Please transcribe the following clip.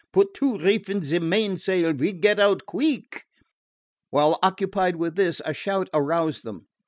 "Put two reef in ze mainsail! We get out queeck!" While occupied with this a shout aroused them.